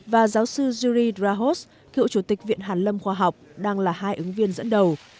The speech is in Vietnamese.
viện hàn lâm khoa học đang là hai ứng viên dẫn đầu